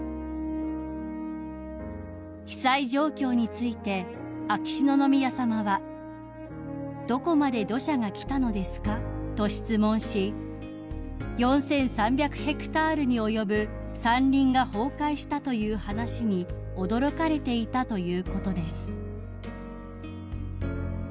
［被災状況について秋篠宮さまは「どこまで土砂が来たのですか？」と質問し４，３００ｈａに及ぶ山林が崩壊したという話に驚かれていたということです］